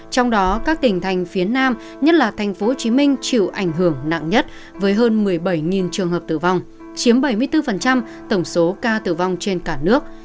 trong đó các tỉnh thành phía nam nhất là tp hcm chịu ảnh hưởng nặng nhất với hơn một mươi bảy trường hợp tử vong chiếm bảy mươi bốn tổng số ca tử vong trên cả nước